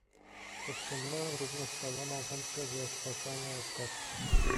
"Powściągnąłem również szaloną chętkę zakwakania jak kaczka."